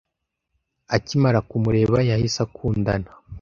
Akimara kumureba, yahise akundana.